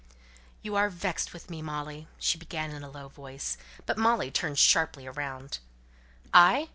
"You are vexed with me, Molly," she began in a low voice. But Molly turned sharply round: "I!